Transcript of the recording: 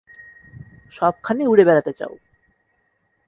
সবখানে উড়ে বেড়াতে চাও।